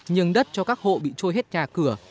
nhường đất cho các hộ bị trôi hết nhà cửa